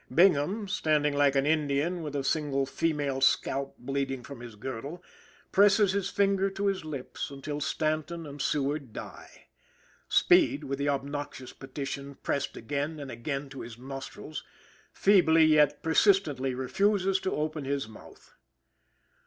Bingham, standing like an Indian with a single female scalp bleeding from his girdle, presses his finger to his lips until Stanton and Seward die. Speed, with the obnoxious petition pressed again and again to his nostrils, feebly yet persistently refuses to open his mouth.